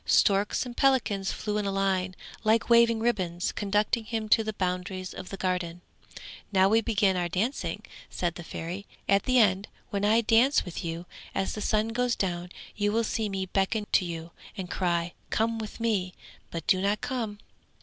Storks and pelicans flew in a line like waving ribbons, conducting him to the boundaries of the Garden. 'Now we begin our dancing!' said the Fairy; 'at the end when I dance with you, as the sun goes down you will see me beckon to you and cry, "Come with me", but do not come.